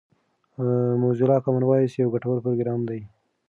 موزیلا کامن وایس یو ګټور پروګرام دی.